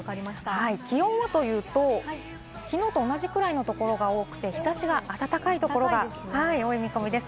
気温はというと、昨日と同じくらいの所が多くて、日差しが暖かいところが多い見込みです。